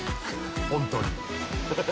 本当に。